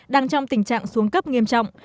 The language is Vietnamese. đang trong tình trạng xuống cấp nghiêm trọng